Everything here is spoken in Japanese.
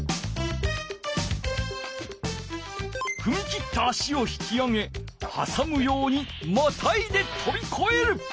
ふみ切った足を引き上げはさむようにまたいでとびこえる。